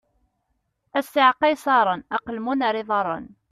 A ssiεqa ay iṣaṛen: aqelmun ar iḍaṛṛen!